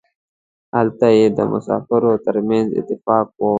هلته یې د مسافرو ترمنځ اتفاق و.